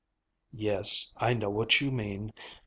"Yes, I know what you mean.